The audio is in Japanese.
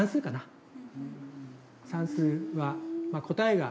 算数は答えが。